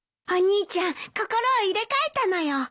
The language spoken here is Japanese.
お兄ちゃん心を入れ替えたのよ。